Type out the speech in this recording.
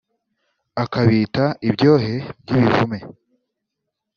akabita ibyohe by’ibivume